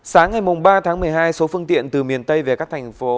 sáng ngày ba tháng một mươi hai số phương tiện từ miền tây về các thành phố